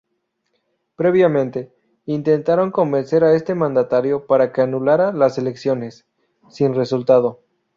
Previamente, intentaron convencer a este mandatario para que anulara las elecciones, sin resultado.